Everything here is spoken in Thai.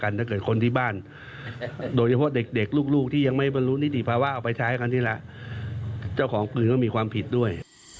นิตถีภาวะเอาไปใช้กันทีละเจ้าของปืนก็มีความผิดด้วย